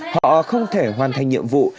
họ không thể hoàn thành nhiệm vụ